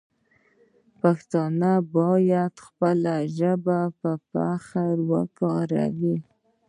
پښتانه باید خپله ژبه په فخر سره وکاروي.